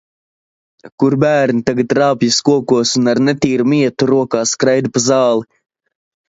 Kur bērni tagad rāpjas kokos un ar netīru mietu rokā skraida pa zāli.